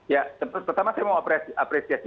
ya pertama saya mau apresiasi